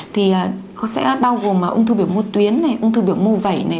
thì nó sẽ bao gồm ung thư biểu mô tuyến này ung thư biểu mô vẩy này